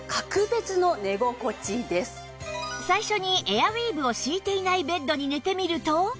最初にエアウィーヴを敷いていないベッドに寝てみると